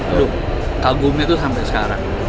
aduh kagumnya itu sampai sekarang